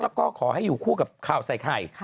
แล้วก็ขอให้อยู่คู่กับข่าวใส่ไข่